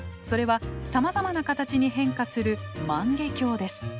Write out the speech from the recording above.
それはさまざまな形に変化する万華鏡です。